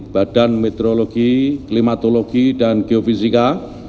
badan meteorologi klimatologi dan geofisika